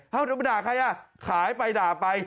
ถ้าพี่พิมพ์รีพายด่าใครขายไปด่าไป